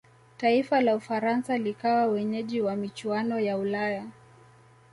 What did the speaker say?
taifa la ufaransa likawa wenyeji wa michuano ya ulaya